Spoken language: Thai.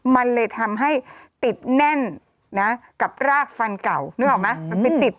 มันเลยทำให้ติดแน่นกับรากฟันเก่านึกออกไหม